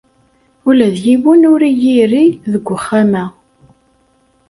Ula d yiwen ur iyi-iri deg uxxam-a.